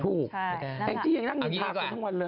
ถูกไอ้จี้ยังนั่งนิทักสมทุกวันเลย